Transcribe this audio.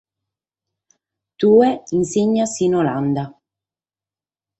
Tue insignas in Olanda.